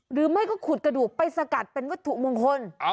หรือไม่ก็ขุดกระดูกไปสกัดเป็นวัตถุมงคล